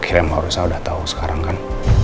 akhirnya maurusah sudah tahu sekarang kan